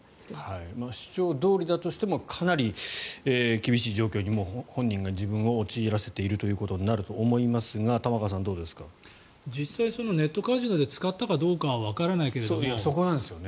主張どおりだとしてもかなり厳しい状況に本人が自分を陥らせていることになると思いますが実際にネットカジノで使ったかどうかはわからないけれど。